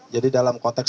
jadi dalam konteks